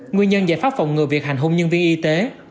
nguyên nhân giải pháp phòng ngừa việc hành hung nhân viên y tế